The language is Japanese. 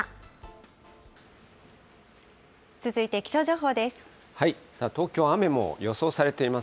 続いて気象情報です。